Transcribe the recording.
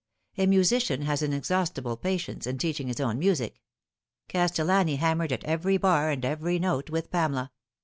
A musician has inexhaustible patience in teaching his own music. Castellani hammered at every bar and every note with Pamela.